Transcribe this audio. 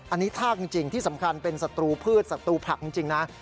อันนี้ทากจริงที่สำคัญเป็นศัตรูพืชศัตรูผักจริงนะ